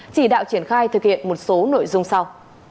chỉ đạo triển khai thực hiện một số nội dung sau